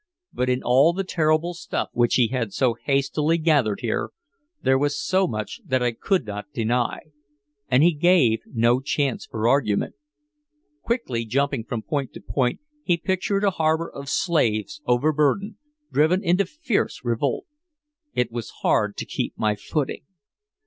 But in all the terrible stuff which he had so hastily gathered here, there was so much that I could not deny. And he gave no chance for argument. Quickly jumping from point to point he pictured a harbor of slaves overburdened, driven into fierce revolt. It was hard to keep my footing.